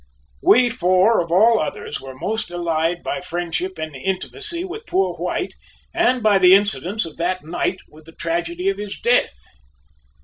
We four of all others were most allied by friendship and intimacy with poor White and by the incidents of that night with the tragedy of his death.